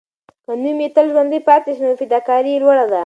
که نوم یې تل ژوندی پاتې سي، نو فداکاري یې لوړه ده.